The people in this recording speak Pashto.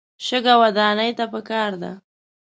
شګه ودانۍ ته پکار ده.